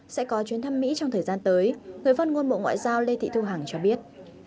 sẽ có chuyến thăm mỹ trong thời gian tới người phát ngôn bộ ngoại giao lê thị thu hằng cho biết